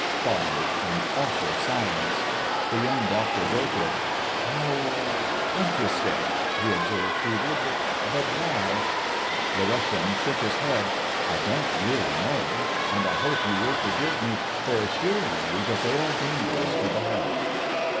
Followed an awful silence. The Young Doctor broke it. "How interesting," he observed feebly; "but why?" The Russian shook his head. "I don't really know. And I hope you will forgive me for assuring you that they are dangerous to the health."